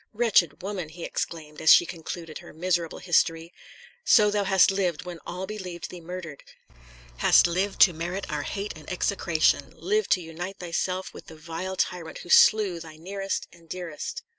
Wretched woman!" he exclaimed, as she concluded her miserable history, "so thou hast lived, when all believed thee murdered; hast lived to merit our hate and execration; lived to unite thyself with the vile tyrant who slew thy nearest and dearest!"